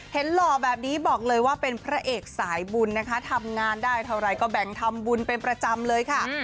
หล่อแบบนี้บอกเลยว่าเป็นพระเอกสายบุญนะคะทำงานได้เท่าไรก็แบ่งทำบุญเป็นประจำเลยค่ะ